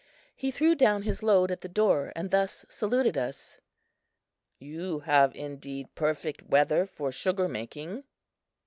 He threw down his load at the door and thus saluted us: "You have indeed perfect weather for sugar making."